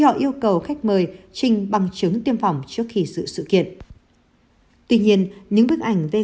họ yêu cầu khách mời trình bằng chứng tiêm phòng trước khi sự kiện tuy nhiên những bức ảnh về